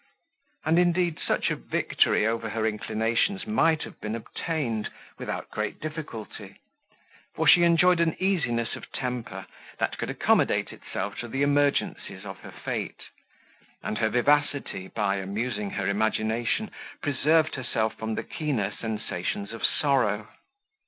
And indeed such a victory over her inclinations might have been obtained without great difficulty; for she enjoyed an easiness of temper that could accommodate itself to the emergencies of her fate; and her vivacity, by amusing her imagination, preserved herself from the keener sensations of sorrow.